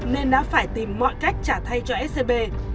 nên đã phải tìm mọi cách trả thay cho scb